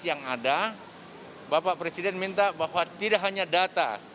yang ada bapak presiden minta bahwa tidak hanya data